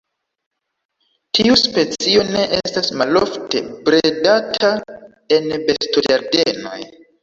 Tiu specio ne estas malofte bredata en bestoĝardenoj.